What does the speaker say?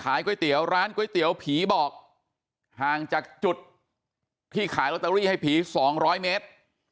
ก๋วยเตี๋ยวร้านก๋วยเตี๋ยวผีบอกห่างจากจุดที่ขายลอตเตอรี่ให้ผี๒๐๐เมตร